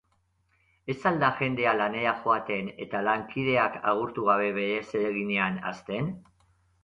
Ez al da jendea lanera joaten eta lankideak agurtu gabe bere zereginean asten?